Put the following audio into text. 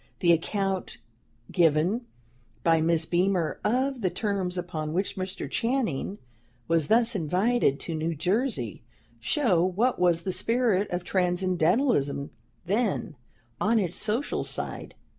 The account given by Miss Bremer of the terms upon which Mr. Channing was thus invited to New Jersey, show what was the spirit of Transcendentalism then, on its social side.